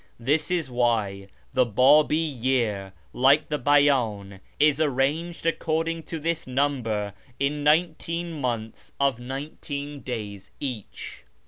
This is why the Babi year, like the Beyan, is arranged according to this number in nineteen months of nineteen days each.